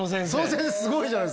すごいな！